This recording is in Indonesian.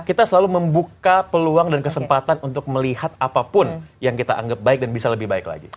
kita selalu membuka peluang dan kesempatan untuk melihat apapun yang kita anggap baik dan bisa lebih baik lagi